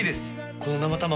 この生卵。